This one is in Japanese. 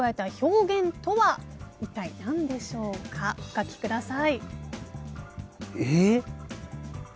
お書きください。